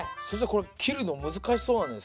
これ切るの難しそうなんですけど。